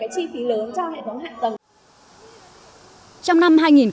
cho hệ thống hạ tầng